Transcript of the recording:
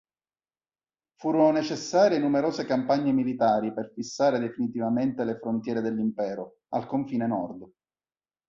Furono necessarie numerose campagne militari per fissare definitivamente le frontiere dell'impero, al confine Nord.